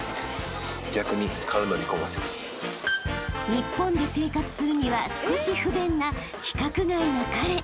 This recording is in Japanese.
［日本で生活するには少し不便な規格外な彼］